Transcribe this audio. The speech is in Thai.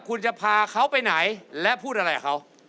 คุณจะพาเขาไปไหนและพูดอะไรกับเขา